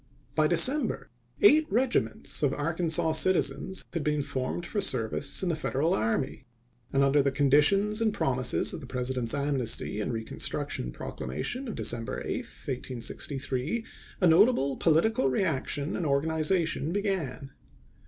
By December, eight regi ments of Arkansas citizens had been formed for service in the Federal army ; and under the con ditions and promises of the President's amnesty and reconstruction proclamation of December 8, 1863, a notable political reaction and organization began.